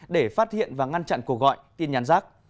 để phát hiện và ngăn chặn cuộc gọi tin nhắn rác